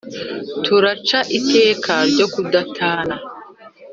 turaca iteka ryo kudatana